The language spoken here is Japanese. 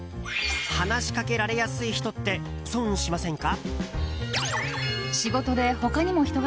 話しかけられやすい人って損しませんか？